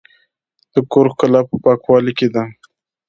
د کور ښکلا په پاکوالي کې ده.